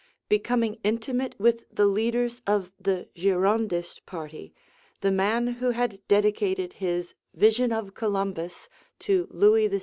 Becoming intimate with the leaders of the Girondist party, the man who had dedicated his 'Vision of Columbus' to Louis XVI.